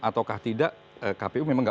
atau tidak kpu memang